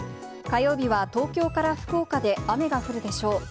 火曜日は東京から福岡で雨が降るでしょう。